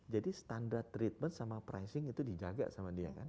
jadi standard treatment sama pricing itu dijaga sama dia kan